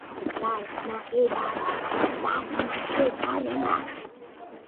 არის გნოლი, კავკასიური როჭო, კაკაბი, მწყერი, კასპიური შურთხი, გარეული იხვი, მტრედი და სხვა.